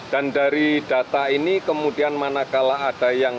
dan dari data ini kemudian manakala ada yang